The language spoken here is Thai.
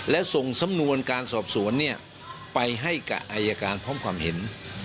และส่งสำนวนการสอบสวนไปให้กับอายการพร้อมความเห็น